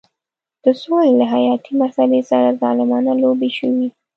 د سولې له حیاتي مسلې سره ظالمانه لوبې شوې.